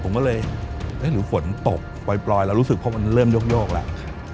ผมก็เลยหรือฝนตกปล่อยแล้วรู้สึกพบว่ามันเริ่มโยกแล้ว